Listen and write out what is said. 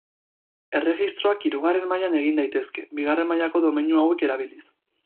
Erregistroak hirugarren mailan egin daitezke, bigarren mailako domeinu hauek erabiliz.